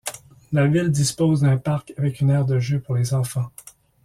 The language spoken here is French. La ville dispose d'un parc avec une aire de jeux pour les enfants.